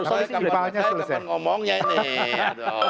apalagi kepala nya selesai